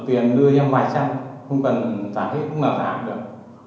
tiền đưa cho em vài trăm không cần trả hết cũng là trả được